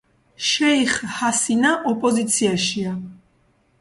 შეიხ ჰასინა ოპოზიციაშია.